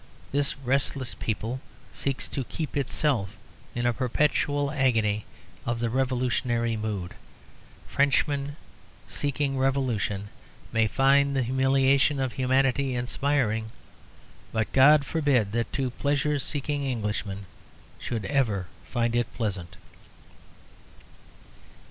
This restless people seeks to keep itself in a perpetual agony of the revolutionary mood. Frenchmen, seeking revolution, may find the humiliation of humanity inspiring. But God forbid that two pleasure seeking Englishmen should ever find it pleasant!"